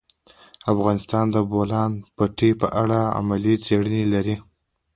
افغانستان د د بولان پټي په اړه علمي څېړنې لري.